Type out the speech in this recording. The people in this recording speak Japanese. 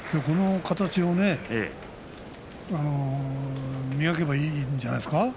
この形をね磨けばいいんじゃないですか。